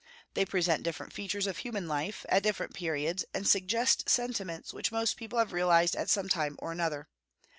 They present different features of human life, at different periods, and suggest sentiments which most people have realized at some time or another.